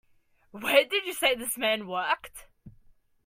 Where did you say this man worked?